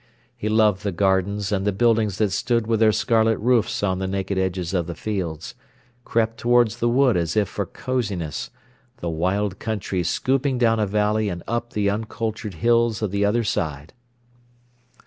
He loved the gardens and the buildings that stood with their scarlet roofs on the naked edges of the fields, crept towards the wood as if for cosiness, the wild country scooping down a valley and up the uncultured hills of the other side.